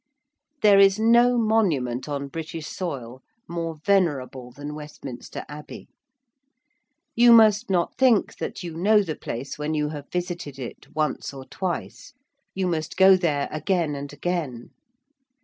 There is no monument on British soil more venerable than Westminster Abbey. You must not think that you know the place when you have visited it once or twice. You must go there again and again.